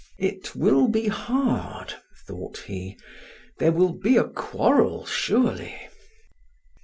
"It will be hard," thought he. "There will be a quarrel surely."